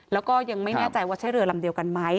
แล้วก็ยังไม่แน่ใจว่าใช้เรือลำเดียวกันไหม